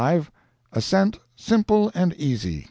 Ascent simple and easy.